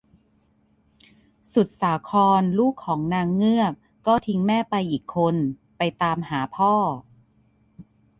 สุดสาคร ลูกของนางเงือกก็ทิ้งแม่ไปอีกคน ไปตามหาพ่อ